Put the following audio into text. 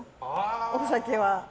お酒は。